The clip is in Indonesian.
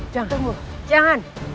jangan bu jangan